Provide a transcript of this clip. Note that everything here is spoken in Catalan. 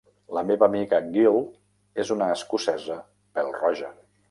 La meva amiga Gill és una escocesa pèl-roja.